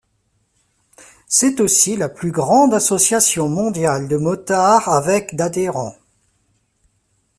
C'est aussi la plus grande association mondiale de motards avec d'adhérents.